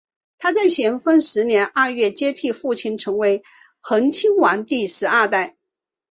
他在咸丰十年二月接替父亲成为恒亲王第十二代。